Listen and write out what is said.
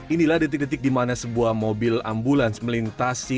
inilah detik detik di mana sebuah mobil ambulans melintasi